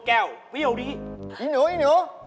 หรออีนูอีนู